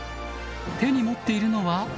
手に持っているのは？